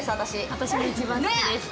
私も一番好きです。